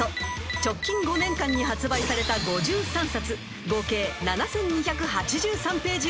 ［直近５年間に発売された５３冊合計７，２８３ページを完全読破］